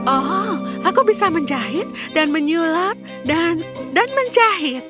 oh aku bisa menjahit dan menyulap dan menjahit